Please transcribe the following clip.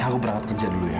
aku berangkat kerja dulu ya